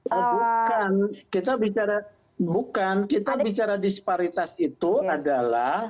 oh bukan kita bicara bukan kita bicara disparitas itu adalah